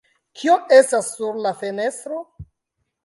Kio estas sur la fenestro?